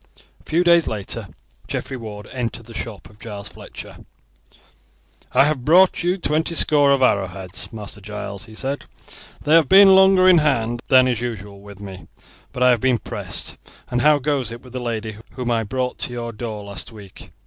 A few days later Geoffrey Ward entered the shop of Giles Fletcher. "I have brought you twenty score of arrowheads, Master Giles," he said. "They have been longer in hand than is usual with me, but I have been pressed. And how goes it with the lady whom I brought to your door last week?"